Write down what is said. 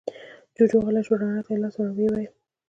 جوجُو غلی شو، رڼا ته يې لاس ور ووړ، ويې ويل: